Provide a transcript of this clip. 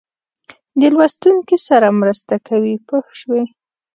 د لوستونکي سره مرسته کوي پوه شوې!.